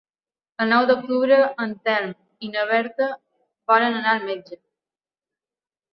El nou d'octubre en Telm i na Berta volen anar al metge.